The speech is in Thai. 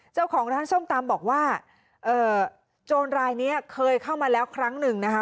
เจ้าของร้านส้มตำบอกว่าโจรรายนี้เคยเข้ามาแล้วครั้งหนึ่งนะคะ